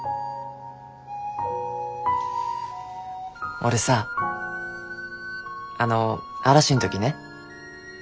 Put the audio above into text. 俺さあの嵐ん時ね